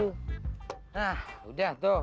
hah udah tuh